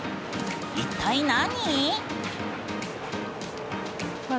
一体何？